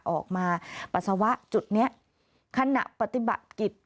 ปัสสาวะจุดนี้ขณะปฏิบัติกิจ